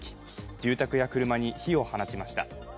住宅や車に火を放ちました。